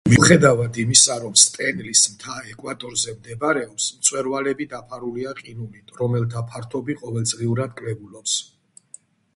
მიუხედავად იმისა, რომ სტენლის მთა ეკვატორზე მდებარეობს, მწვერვალები დაფარულია ყინულით, რომელთა ფართობი ყოველწლიურად კლებულობს.